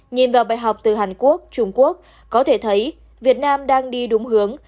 nhìn vào bài học từ hàn quốc trung quốc có thể thấy việt nam đang đi đúng hướng